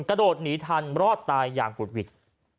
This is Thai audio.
กระโดดหนีทันรอดตายอย่างหุดหวิด